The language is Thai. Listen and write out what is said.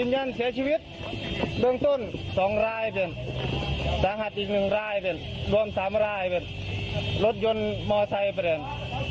ยันเสียชีวิตเบื้องต้น๒รายเป็นสาหัสอีก๑รายเป็นรวม๓รายเป็นรถยนต์มอไซค์ประเด็น